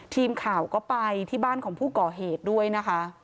ทีมข่าวก็ไปที่บ้านของผู้ก่อเหตุด้วยนะคะ